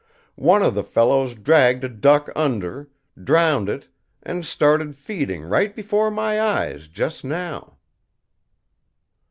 One of the fellows dragged a duck under, drowned it and started feeding right before my eyes, just now."